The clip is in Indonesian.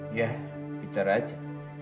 iya bicara aja